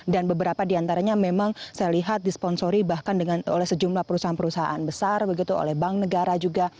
dan beberapa di antaranya memang saya lihat disponsori bahkan oleh sejumlah perusahaan perusahaan besar begitu oleh bank negara juga